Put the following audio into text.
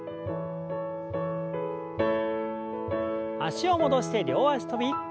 脚を戻して両脚跳び。